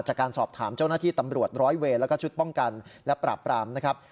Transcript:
จากการสอบถามเจ้าหน้าที่ตำรวจร้อยเวรแล้วก็ชุดป้องกันและปราบปรามนะครับ